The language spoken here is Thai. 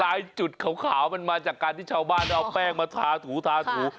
จุดขาวมันมาจากการที่ชาวบ้านเอาแป้งมาทาถูทาถู